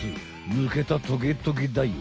ぬけたトゲトゲだよ。